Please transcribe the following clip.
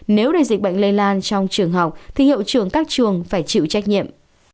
nếu đời dịch bệnh lây lan trong trường học thì hiệu trường các trường phải chịu trách nhiệm